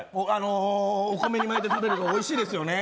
お米に巻いて食べるのおいしいですよね。